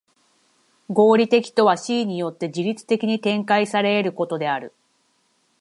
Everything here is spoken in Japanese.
合理的とは思惟によって自律的に展開され得ることである。